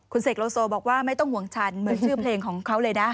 เสกโลโซบอกว่าไม่ต้องห่วงฉันเหมือนชื่อเพลงของเขาเลยนะ